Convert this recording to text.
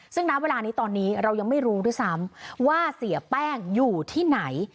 ซึ่งณเวลานี้ตอนนี้เรายังไม่รู้ด้วยซ้ำว่าเสียแป้งอยู่ที่ไหน